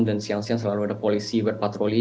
dan siang siang selalu ada polisi berpatroli